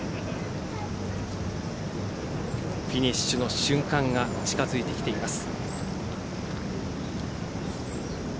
フィニッシュの瞬間が近づいてきています。